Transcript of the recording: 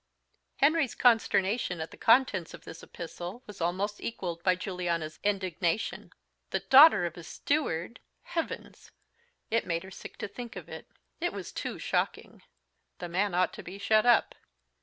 Henry's consternation at the contents of this epistle was almost equalled by Juliana's indignation. "The daughter of a steward! Heavens! it made her sick to think of it. It was too shocking! The man ought to be shut up.